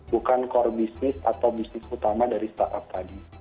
bukan core business atau bisnis utama dari startup tadi